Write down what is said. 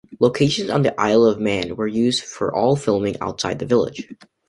Locations on the Isle of Man were used for all filming outside the village.